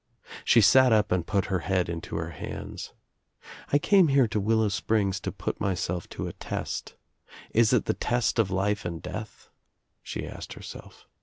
She sat up and put her head into her hands. *1 came here to Willow Springs to put myself to a test Is it the test of life and death?" she asked herself.